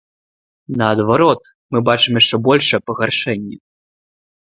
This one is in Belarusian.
Наадварот, мы бачым яшчэ большае пагаршэнне.